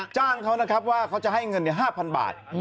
จ้างเขานะครับว่าเขาจะให้เงิน๕๐๐บาท